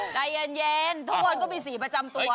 ใจเย็นทุกคนก็มีสีประจำตัว